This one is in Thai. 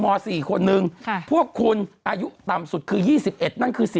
ม๔คนนึงพวกคุณอายุต่ำสุดคือ๒๑นั่นคือ๔๐